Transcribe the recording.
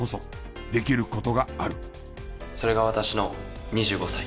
それが私の２５歳。